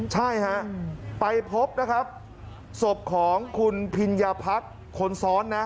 ใช่ฮะไปพบนะครับศพของคุณพิญญาพักคนซ้อนนะ